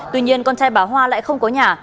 tuy nhiên con trai bà hoa lại không có nhà